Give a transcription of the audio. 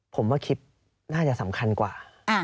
ผมว่าคลิปน่าจะสำคัญกว่า